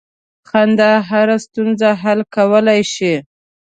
• خندا هره ستونزه حل کولی شي.